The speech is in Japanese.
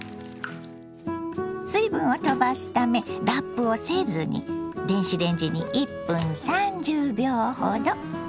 水分をとばすためラップをせずに電子レンジに１分３０秒ほど。